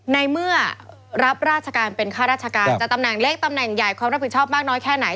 ในเมื่อรับราชการเป็นข้าราชการจะตำแหน่งเล็กตำแหน่งใหญ่ความรับผิดชอบมากน้อยแค่ไหน